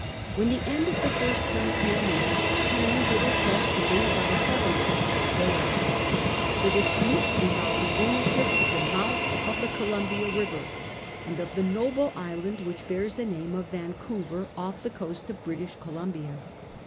When the end of the first term came near, Canning did his best to bring about a settlement, but failed. The dispute in volved the ownership of the mouth of the Columbia River, and of the noble island which bears the name of Vancouver, off the shore of British Columbia.